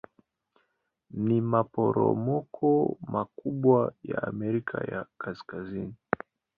Ni maporomoko makubwa ya Amerika ya Kaskazini.